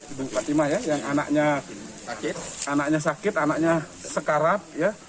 ibu fatima yang anaknya sakit anaknya sekarat